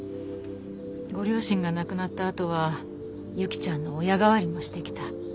ご両親が亡くなったあとは由紀ちゃんの親代わりもしてきた。